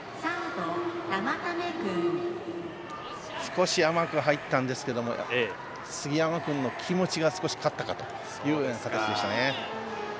少し甘く入ったんですが杉山君の気持ちが少し勝ったかという感じでしたね。